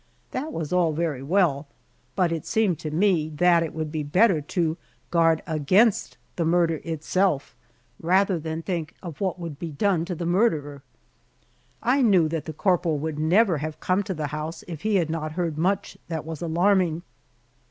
That was all very well, but it seemed to me that it would be better to guard against the murder itself rather than think of what would be done to the murderer. I knew that the corporal would never have come to the house if he had not heard much that was alarming.